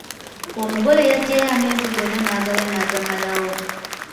Omugole yajjayo amenvu gonna n'agaalya n'agamalawo.